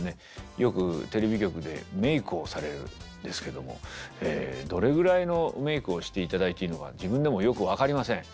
よくテレビ局でメークをされるんですけどもええどれぐらいのメークをしていただいていいのか自分でもよく分かりません。